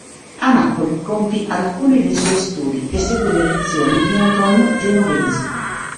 A Napoli compì alcuni dei suoi studi e seguì le lezioni di Antonio Genovesi.